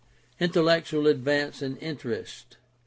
Intellectual advance and unrest.